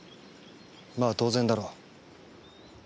まあ当然だろう。